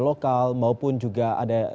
lokal maupun juga ada